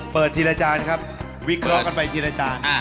ทีละจานครับวิเคราะห์กันไปทีละจาน